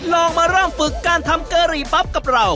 ลองมาเริ่มฝึกการทำกะหรี่ปั๊บกับเรา